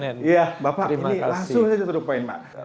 iya bapak ini langsung saja terlupain pak